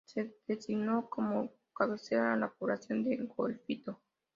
Se designó como cabecera la población de Golfito.